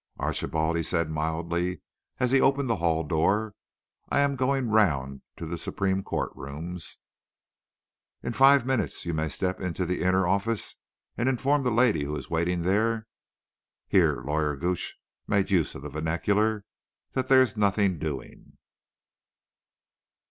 "Archibald," he said mildly, as he opened the hall door, "I am going around to the Supreme Court rooms. In five minutes you may step into the inner office, and inform the lady who is waiting there that"—here Lawyer Gooch made use of the vernacular—"that there's nothing doing."